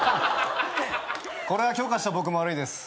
これは許可した僕も悪いです。